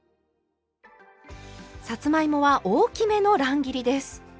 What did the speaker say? さつまいもは大きめの乱切りです。